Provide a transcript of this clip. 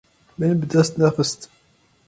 Min bi dest nexist.